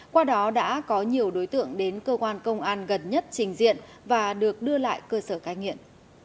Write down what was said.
qua đó đã có nhiều đối tượng đến cơ quan công an gần nhất trình diện và được đưa lại cơ sở cai nghiện